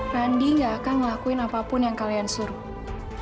randi gak akan ngelakuin apapun yang kalian suruh